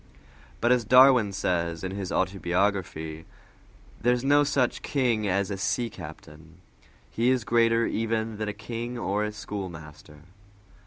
But as Darwin says in his autobiography, "there is no such king as a sea captain; he is greater even than a king or a schoolmaster!"